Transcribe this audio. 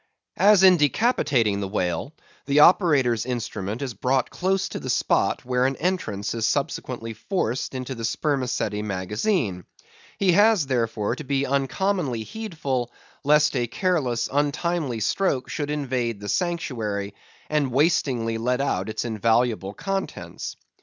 As in decapitating the whale, the operator's instrument is brought close to the spot where an entrance is subsequently forced into the spermaceti magazine; he has, therefore, to be uncommonly heedful, lest a careless, untimely stroke should invade the sanctuary and wastingly let out its invaluable contents.